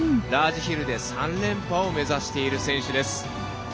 ラージヒルで３連覇を目指している選手です。